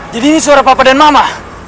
jadi ini suara papa dan mama